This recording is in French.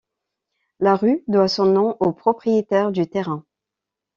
La rue doit son nom au propriétaire du terrain.